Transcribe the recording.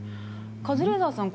カズレーザーさん